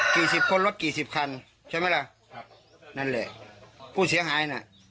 สิบคนรถกี่สิบคันใช่ไหมล่ะครับนั่นเลยผู้เสียหายน่ะ